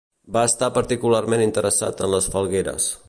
Va estar particularment interessat en les falgueres.